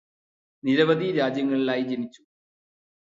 നിരവധി രാജ്യങ്ങളിലായി ജനിച്ചു്.